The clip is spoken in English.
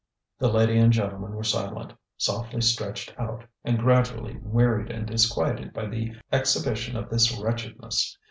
The lady and gentleman were silent, softly stretched out, and gradually wearied and disquieted by the exhibition of this wretchedness.